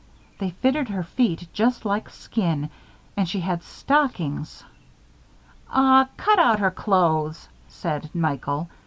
They fitted her feet just like skin and she had stockings " "Aw, cut out her clothes," said Michael.